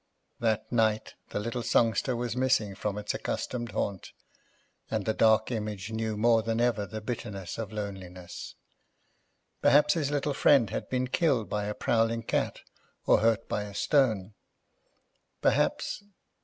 That night the little songster was missing from its accustomed haunt, and the Dark Image knew more than ever the bitterness of loneliness. Perhaps his little friend had been killed by a prowling cat or hurt by a stone. Perhaps